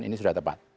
ini sudah tepat